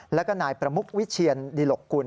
แล้วก็นายประมุกวิเชียนดิหลกกุล